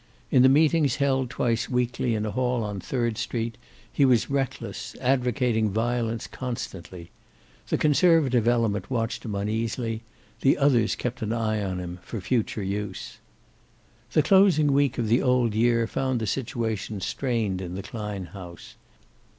In the meetings held twice weekly in a hall on Third Street he was reckless, advocating violence constantly. The conservative element watched him uneasily; the others kept an eye on him, for future use. The closing week of the old year found the situation strained in the Klein house.